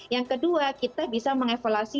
yang kedua kita bisa mengevaluasi